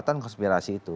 pembuatan konspirasi itu